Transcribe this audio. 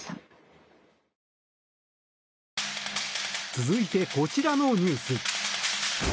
続いて、こちらのニュース。